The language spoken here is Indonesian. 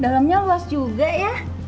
dalemnya luas juga ya